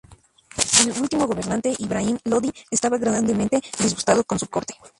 El último gobernante, Ibrahim Lodi, estaba grandemente disgustado con su corte.